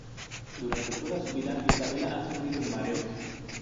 Durante toda su vida, Isabella ha sufrido de mareos.